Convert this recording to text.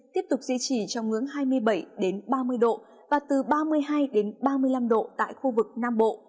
tiếp tục duy trì trong ngưỡng hai mươi bảy ba mươi độ và từ ba mươi hai ba mươi năm độ tại khu vực nam bộ